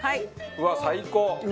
うわっ最高！